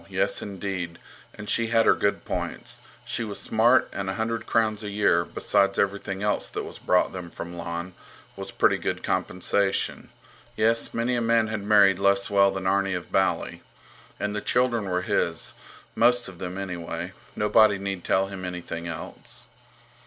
Yes, indeed! And she had her good points. She was smart, and a hundred crowns a year, besides everything else that was brought them from Lon, was pretty good compensation. Yes, many a man had married less well than Arni of Bali. And the children were his, most of them, anyway. Nobody need tell him anything else.